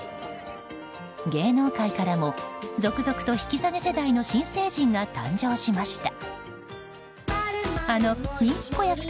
芸能界からも続々と引き下げ世代の新成人が誕生しました。